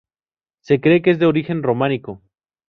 Se cree que es de origen románico.